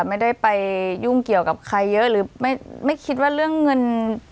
ไม่ได้ไปยุ่งเกี่ยวกับใครเยอะหรือไม่ไม่คิดว่าเรื่องเงิน